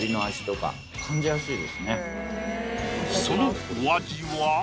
そのお味は？